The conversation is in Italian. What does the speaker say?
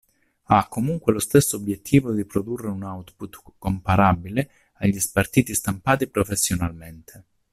Ha, comunque, lo stesso obiettivo di produrre un output comparabile agli spartiti stampati professionalmente.